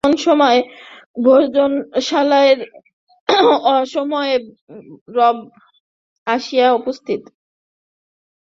এমন সময় ভোজনশালায় অসময়ে বর আসিয়া উপস্থিত।